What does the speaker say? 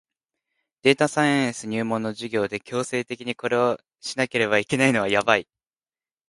データサイエンス入門の授業で強制的にこれをしなければいけないのやばい